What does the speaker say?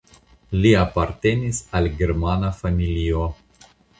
Li apartenis al germana familio.